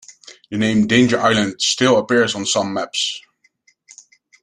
The name "Danger Island" still appears on some maps.